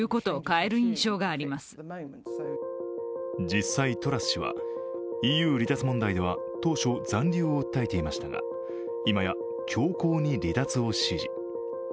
実際、トラス氏はＥＵ離脱問題では当初、残留を訴えていましたが今や強硬に離脱を支持。